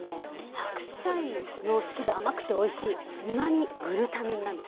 白菜の汁甘くておいしいうまみグルタミンなんです。